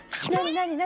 何？